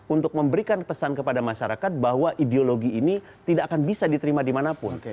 untuk memberikan pesan kepada masyarakat bahwa ideologi ini tidak akan bisa diterima dimanapun